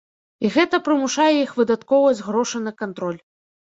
І гэта прымушае іх выдаткоўваць грошы на кантроль.